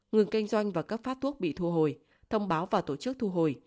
ngừng kinh doanh và cấp phát thuốc bị thu hồi thông báo và tổ chức thu hồi